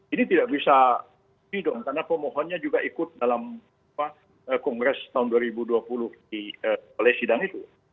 ini tidak bisa dihidupkan karena pemohonnya juga ikut dalam kongres tahun dua ribu dua puluh di palais hidang itu